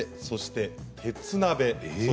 そして、鉄鍋。